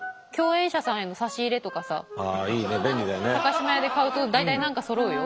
島屋で買うと大体何かそろうよ。